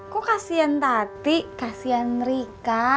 kok kasihan tati kasihan rika